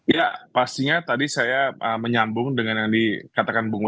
ya pastinya tadi saya menyambung dengan yang dikatakan bung